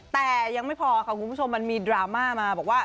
แต่ยังไม่พอค่ะคุณผู้ชมมันมีดราม่ามาบอกว่า